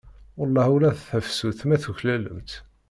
Welleh ula d tafsut ma tuklalem-tt.